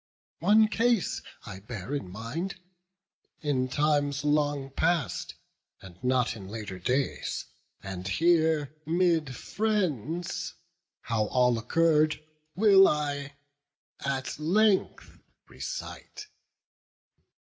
One case I bear in mind, in times long past, And not in later days; and here, 'mid friends, How all occurr'd, will I at length recite.